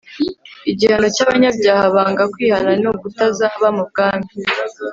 igihano cy'abanyabyaha banga kwihana ni ukutazaba mu bwami